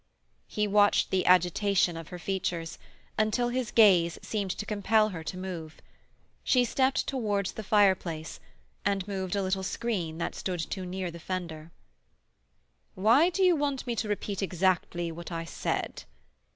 He watched the agitation of her features, until his gaze seemed to compel her to move. She stepped towards the fireplace, and moved a little screen that stood too near the fender. "Why do you want me to repeat exactly what I said?"